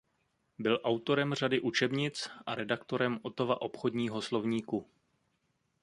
Byl autorem řady učebnic a redaktorem Ottova obchodního slovníku.